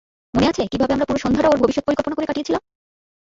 মনে আছে কিভাবে আমরা পুরো সন্ধ্যাটা ওর ভবিষ্যৎ পরিকল্পনা করে কাটিয়েছিলাম?